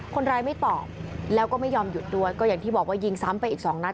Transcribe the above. ไม่ตอบแล้วก็ไม่ยอมหยุดด้วยก็อย่างที่บอกว่ายิงซ้ำไปอีกสองนัด